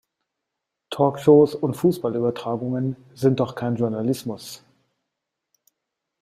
Talkshows und Fußballübertragungen sind doch kein Journalismus!